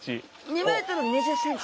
２ｍ２０ｃｍ。